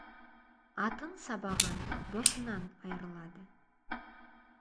Атын сабаған досынан айырылады.